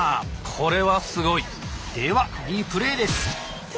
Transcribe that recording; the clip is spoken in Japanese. これはすごい！ではリプレーです。